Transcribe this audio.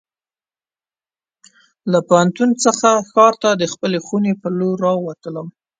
له پوهنتون څخه ښار ته د خپلې خونې په لور راتلم.